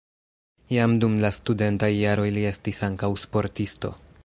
Jam dum la studentaj jaroj li estis ankaŭ sportisto.